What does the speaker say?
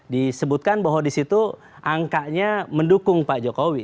disebutkan bahwa disitu angkanya mendukung pak jokowi